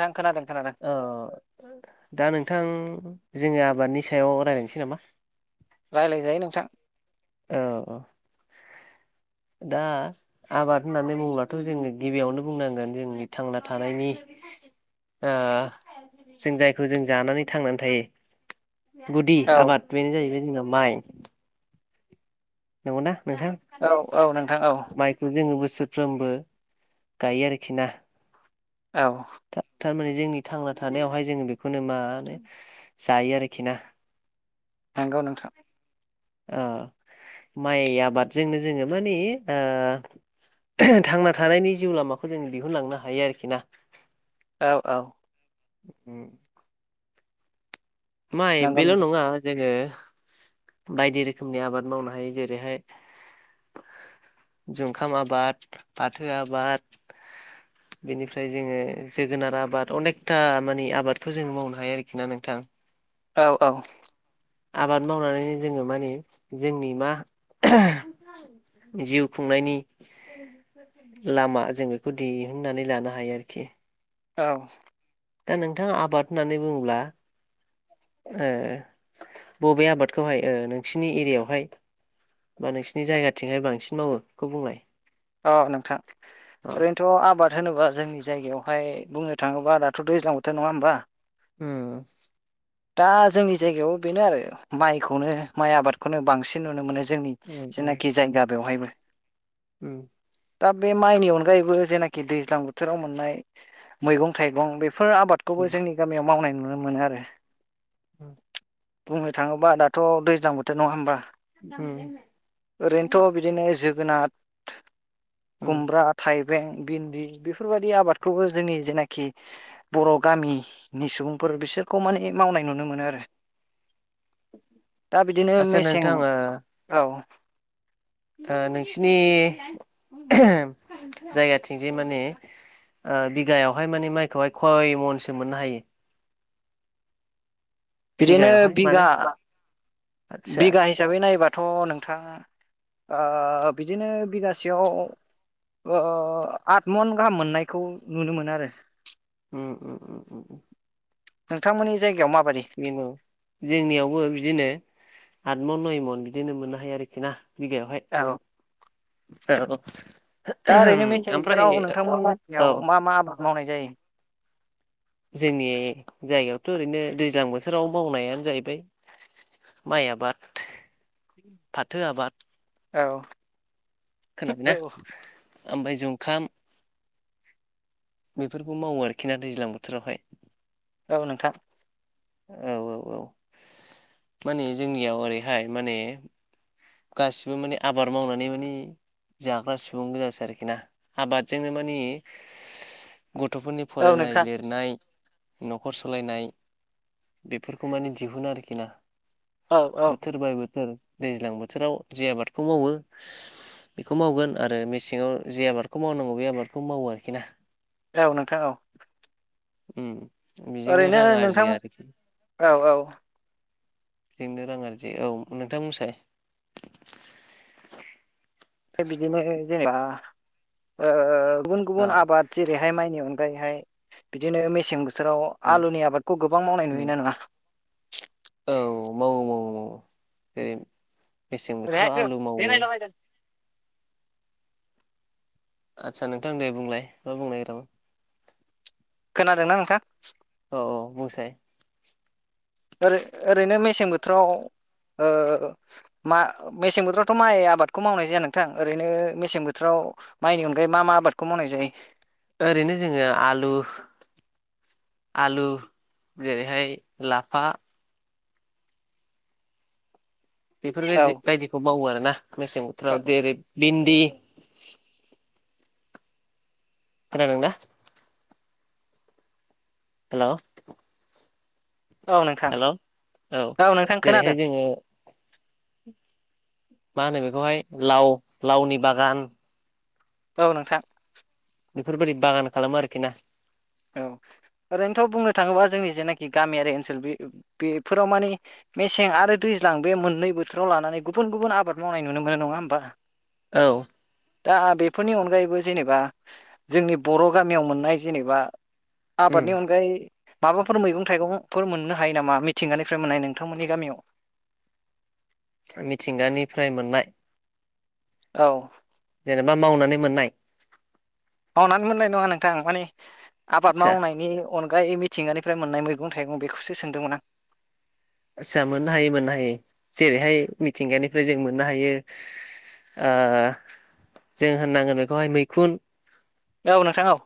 नोंथां खोनादों खोनादों। औ दा नोंथां जोङो आबादनि सायाव रायज्लायनोसै नामा? रायज्लायजायो नोंथां। औ औ। दा आबाद होननानै बुङोब्लथ' जोङो गिबियावनो बुंनांगोन जोंनि थांना थानायनि ओ जों जायखौ जों जानानै थांनानै थायो। गुदि औ आबाद बेनो जाहैबाय जोंना माइ। नंगौना नोंथां? औ औ नोंथां औ माइखौ जोङो बोसोर फ्रोमबो गायो आरोखि ना? औ। था थारमाने जोंनि थांना थानायावहाय जोङो बेखौनो मानो जायो आरोखि ना। नंगौ नोंथां। ओ माइ आबादजोंनो जोङो मानि ओ थांना थानायनि जिउ लामाखौ जों दिहुनलांनो हायो आरोखि ना। औ औ। उम। माय नंगौ बेल' नोंथां नङा जोङो बायदि रोखोमनि आबाद मावनो हायो जेरैहाय जुंखाम आबाद फाथो आबाद बेनिफ्राय जोङो जोगोनार आबाद अनेकथा मानि आबादखौ जों मावनो हायो आरोखि ना नोंथां। औ औ। आबाद मावनानैनो जोङो मानि जोंनि मा जिउ खुंनायनि लामा जों बेखौ दिहुननानै लानो हायो आरोखि। औ। दा नोंथाङा आबाद होननानै बुङोब्ला ओ बबे आबादखौहाय ओ नोंसिनि एरियायावहाय बा नोंसिनि जायगाथिंहाय बांसिन मावो बेखौ बुंलाय। औ नोंथां अ ओरैनोथ' आबाद होनोबा जोंनि जायगायावहाय बुंनो थाङोब्ला दाथ' दैज्लां बोथोर नङा होमबा? उम। दा जोंनि जायगायाव बेनो आरो माइखौनो माय आबादखौनो बांसिन नुनो मोनो। जोंनि उम जेनाखि जायगा बेवहायबो। उम। दा बे माइनि अनगायैबो जेनाखि दैज्लां बोथोराव मोननाय मैगं थाइगं बे बेफोर उम आबादखौबो जोंनि गामियाव मावनाय नुनो मोनो आरो औ बुंनो थाङोब्ला दाथ' दैज्लां बोथोर नङा होमबा उम ओरैनोथ' बिदिनो जोगोनार उम खुमब्रा थाइब बें बिन बेफोरबायदि आबादखौबो जोंनि जेनाखि बर' गामिनि सुबुंफो फोर बिसोरखौ माने मावनाय नुनो मोनो आरो दा बिदिनो आदसा मेसें नोंथां ओ औ ओ नोंसिनि जायगाथिं जे माने ओ बिघायावहाय माने माइखौहाय खयमनसो मोननो हायो बिदिनो बिगायावहाय माने बिघा आदसा बिघा हिसाबै नायोबा थ' नोंथाङा बिदिनो बिगासेयाव ओ ओ आठ मन गाहाम मोननायखौ नुनो मोनो आरो उम उम उम उम उम नोंथांमोननि जायगायाव माब बे जोंनियावबो बिदिनो आतमन नयमन बिदिनो मोननो हायो आरोखि ना बिगायावहाय औ औ दा ओरैनो मेसें ओमफ्राय बोथोराव नोंथांमोननि औ मानसयाव मा मा आबाद मावनाय जायो जोंनि जायगायावथ' ओरैनो दैज्लां बोथोराव मावनायानो जाहैबाय माइ आबाद, फाथो आबाद औ खोनाबायना औ ओमफ्राय जुंखाम बेफोरखौ मावो आरोखि ना दैज्लां बोथोरावहाय औ नोंथां औ औ औ माने जोंनियाव ओरैहाय माने गासिबो माने आबाद मावनानै मानि जाग्रा सुबुं गोजासै आरोखि ना आबादजोंनो मानि गथ'फोरनि औ फरायनाय नोंथां लिरनाय न'खर सालायनाय बेफोरखौ माने दिहुनो आरोखि ना औ औ बोथोर बाय बोथोर दैज्लां बोथोराव जि आबादखौ मावो बेखौ मावगोन आरो मेसेङाव जे आबादखौ मावनांगौ बे आबादखौ मावो आरोखि ना औ नोंथां औ उम बेजोंनो ओरैनो रां नोंथां आरजियो आरोखि औ औ बेजोंनो रां आरजियो औ नोंथां बुंसाय बिदिनो जेनेबा ओ गुबुन अ गुबुन आबाद जेरैहाय माइनि अनगायैहाय बिदिनो मेसें बोस बोसोराव उम आलुनि आबादखौ गोबां मावनाय नुयो उम ना नुआ? औ मावो मावो मावो बे मेसें बोथोराव आलु मावो आदसा नोंथां दे बुंलाय मा बुंनो नागिरदोंमोन खोनादोंना नोंथां? औ बुंसाय ओरो ओरैनो मेसें बोथोराव ओ मा मेसें बोथोरावथ' माइ आबादखौ मावनाय जाया नोंथां ओरैनो मेसें बोथोराव माइनि अनगायै मा मा आबादखौ मावनाय जायो? ओरैनो जोङो आलु आलु जेरैहाय लाफा औ बेफोरबायदि बायदिखौ मावो आरो ना मेसें बोथोराव जेरै बिन दि खोनादोंना? हेलौ औ नोंथां हेल' औ औ नोंथां जेरैहाय खोनादों जोङो मा होनो बेखौहाय लाव लावनि बागान औ नोंथां बेफोरबायदि बागान खालामो आरोखि ना औ ओरैनोथ' बुंनो थाङोबा जोंनि जेनाखि गामियारि ओनसोल बे बेफोराव माने मेसें आरो दैज्लां बे मोननै बोथोराव लानानै गुबुन गुबुन आबाद मावनाय नुनो मोनो नङा होमबा औ दा बेफोरनि अनगायैबो जेनेबा जोंनि बर' गामियाव मोननाय जेनेबा उम आबादनि अनगायै माबाफोर मैगं थाइगंफोर मोननो हायो नामा मिथिंगानिफ्राय मोननाय नोंथांमोननि गामियाव मिथिंगानिफ्राय मोननाय औ जेनेबा मावनानै मोननाय मावनानै मोननाय नङा नोंथां माने आबाद आदसा मावनायनि अनग गायै मिथिंगानिफ्राय मोननाय मैगं थाइगं बेखौसो सोंदोंमोन आं आस्सा मोननो हायो मोननो हायो जेरैहाय मिथिंगानिफ्राय जों मोननो हायो ओ जों होननांगोन बेखौहाय मैखुन औ नोंथां औ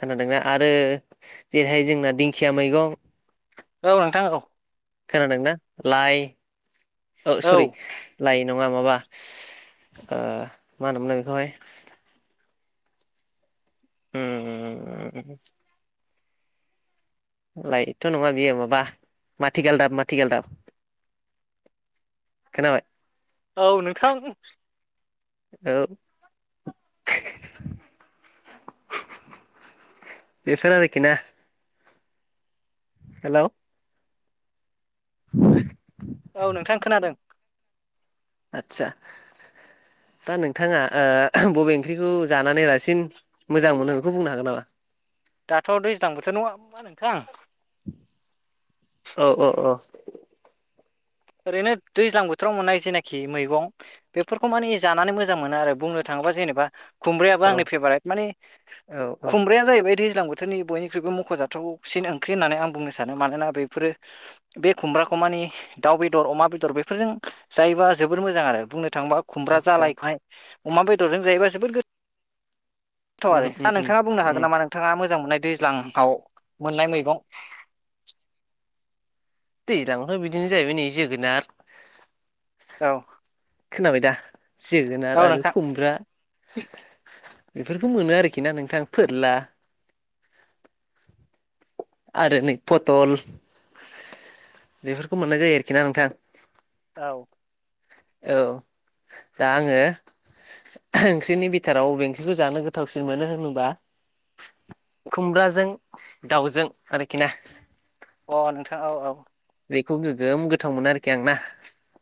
खोनादोंना आरो जेरैहाय जोंना दिंखिया मैगं औ नोंथां औ खोनादोंनाा लाइ औ सरि लायै नङा माबा ओ मा होनोमोनलाय बेखौहाय उम लायथ' नङा बियो माबा माथिगाल दाब माथिगाल दाब खोनाबाय औ नोंथां औ बेसोर आरोखि ना हेलौ [unintelligible] औ नोंथां खोनादों आतसा दा नोंथाङा बबे ओंख्रिखौ जानानै रासिन मोजां मोनो बेखौ बुंनो हागोन नामा? दाथ' दैज्लां बोथोर नङा होमबा नोंथां औ औ औ ओरैनो दैज्लां बोथोराव मोननाय जेनाखि मैगं बेफोरखौ माने जानानै मोजां मोनो आरो बुंनो थाङोब्ला जेनेबा खुमब्रायाबो औ आंनि पेब्रेट माने औ औ खुमब्राया दैज्लां बोथोरनि बयनिख्रुइबो मख'जाथावसिन ओंख्रि होननानै आं बुंनो सानो मानोना बेफोरो बे खुमब्राखौ मानि दाउ बेदर अमा बेदर बेफोरजों जायोबा जोबोर मोजां आरो बुंनो थाङोबा खुमब्रा आदसा जालायहाय अमा बेदरजों जायोबा जोबोद गो गोथाव उम आरो उम आ उम नोंथाङा बुंनो हागोन उम नामा नोंथाङा मोजां मोननाय दैज्लांआव मोननाय मैगं दैज्लांथ' बिदिनो जाहैबाय नै जोगोनार औ खोनाबाय दा जोगोनार औ आरो नोंथां खुमब्रा बेफोरखौ मोनो आरोखि ना नोंथां फोरला आरो नै पथल बेफोरखौ मोननाय जायो आरोखि ना नोंथां औ औ दा आङो ओंख्रिनि बिथोराव अबे ओंख्रिखौ जानो गोथावसिन मोनो होनोबा खुमब्राजों दाउजों आरोखि ना। अ नोंथां औ औ। बेखौ गोगोम गोथाव मोनो आरोखि आंना।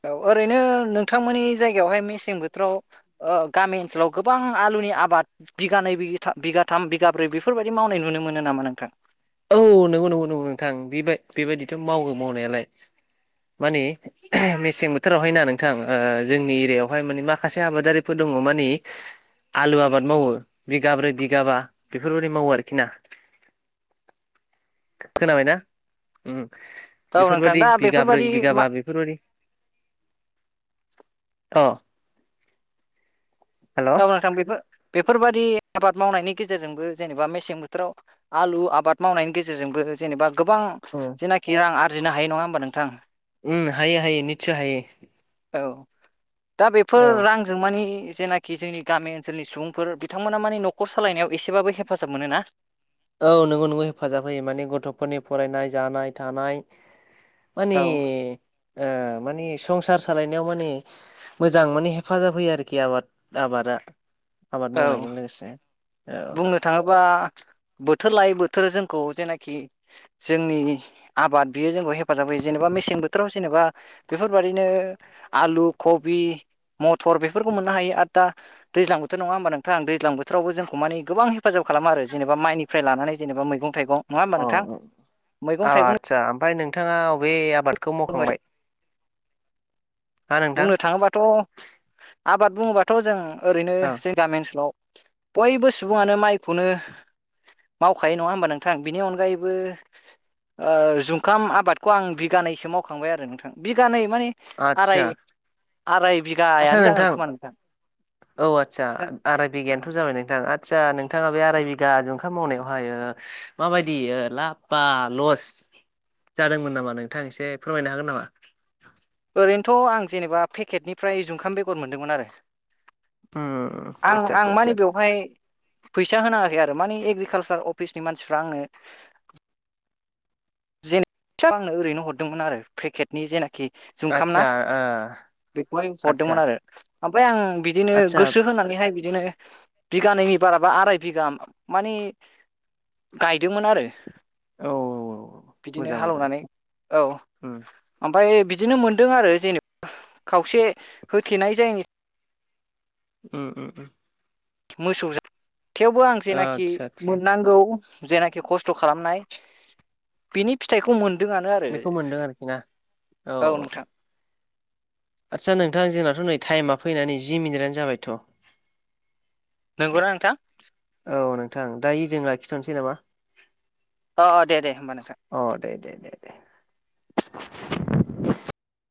औ ओरैनो नोंथांमोननि जायगायावहाय मेसें बोथोराव ओ गामि ओनसोलाव गोबां आलु नि आबाद बिगानैै बि बिगाथाम बिगाब्रै बेफोरबायदि मावनाय नुनो मोनो नामा नोंथां? औ नंगौ नंगौ नंगौ नोंथां बेबाय बेबायदिथ' मावो मावनायालाय। माने मेसें बोथोरावहाय ना नोंथां ओ जोंनि एरियायावहाय माने माखासे आबादारिफोर दं दङ' माने आलु आबाद मावो बिगाब्रै बिगाबा बेफोरबायदि मावो आरोखि ना। खोनाबायना? ओम। औ नोंथां बेफोरबायदि दा बिगाब्रै बेफोरबादि मा बिगाबा बेफोरबायदि अ। हेल' औ [unintelligible] बिबो बेफोरबादि आबाद मावनायनि गेजेरजोंबो जेनेबा मेसें बोथोराव आलु आबाद मावनायनि गेजेरजोंबो जेनेबा गोबां जेनाखि रां आरजिनो हायो नङा होमबा नोंथां? उम हायो हायो निसय हायो। औ दा औ बेफोर रांजों मानि जेनाखि खि जोंनि गामि ओनसोलनि सुबुंफोर बिथांमोना माने न'खर सालायनायाव एसेबाबो हेफाजाब मोनोना। औ नोंगौ नोंगौ हेफाजाब होयो माने गथ'फोरनि फरायनाय जानाय थानाय मानि औ ओ माने संसार सालायनायाव माने मोजां माने हेफाजाब होयो आरोखि आबाद आबादा आबाद औ मावनायजों लोगोसे बुंनो थाङोबा बोथोर लायै बोथोर जोंखौ जेनाखि जोंनि आबाद बियो जोंखौ हेफा हेफाजाब होयो जेनेबा मेसें बोथोराव जेनेबा बेफोरबाददिनो आलु, कबि मटर बेफोरखौ मोननो हायो आरो दा दैज्लां बोथोर बोथोर नङा होमबा नोंथां? दैज्लां बोथोरावबो जोंखौ माने गोबां हेफाजाब खालामो आरो जेनेबा माइनिफ्राय लानानै जेनेबा मैग थाइगं नङा होमबा अ नोंथां औ मैगं थाइगं आथसा ओमफ्राय नोंथाङा अबे आबादखौ मावखांबाय हा नोंथां बुंनो थाङोबाथ' आबाद बुङोबाथ' जों ओरैनो औ जों गामि ओनसोलाव बयबो सुबुङानो माइखौनो मावखायो नङा होमबा नोंथां बिनि अनगायैबो ओ जुखाम आबादखौ आं बिगानैसो मावखांबाय आरो नोंथां बिगानै माने आराय आराय आस्सा बिगायानो जागोन नोंथां खोमा औ आथसा आराय बिघायानोथ' जाबाय नोंथां आ आदसा नोंथाङा बे आराय बिघा जुखाम मावनायावहायो माबायदि ओ लाब बा लस जादोंमोन नामा नोंथां एसे फोरमायनो हागोन नामा? ओरैनोथ' आं जेनेबा पेकेटनिफ्राय जुंखाम बेगर मोनदोंमोन आरो। उम आं आदसा आं आदसा माने बेवहाय फैसा होनाङाखै आरो माने एग्रिकालसार अफिसनि मानसिफ्रा आंनो जेनेखि आंनो ओरैनो हरदोंमोन आरो पेकेटनि जेनाखि जुंखाम ना आदसा आदसा ओ बेखौहाय आदसा हरदोंमोन आरो आमफाय आं बिदिनो आदसा गोसो होनानैहाय बि बिदिनो बिघानैनि बाराबा आराय बिघा माने गायदोंमोन आरो। औ औ औ। बिदिनो हालेवनानै औ उम ओमफाय बि बिदिनो मोनदों आरो जेनेबा खावसे होथेनाय जायिनि ओ ओ ओ। मोसौ जा [unintelligible] थेवबो आं जेनाखि आदसा आदसा मोननांगौ जेनाखि खस्थ खालामनाय बिनि फिथाइखौ मोन दोंआनो आरो बेखौ मोनदों आरोखि ना औ नोंथां। आदसा नोंथा जोंनाथ नै टाइमा फैनानै जि मिनिटआनो जाबायथ। नोंगौ ना नोंथां? औ नोंथां दायो जों लाखिथनोसै नामा? अ अ दे दे होमबा नोंथां। अ [inaudible]